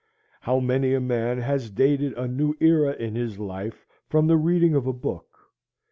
How many a man has dated a new era in his life from the reading of a book.